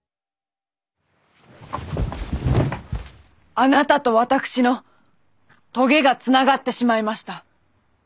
あなたと私の棘がつながってしまいました。